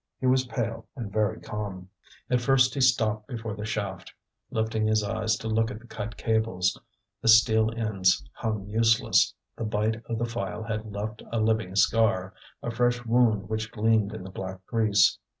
He was pale and very calm. At first he stopped before the shaft, lifting his eyes to look at the cut cables; the steel ends hung useless, the bite of the file had left a living scar, a fresh wound which gleamed in the black grease.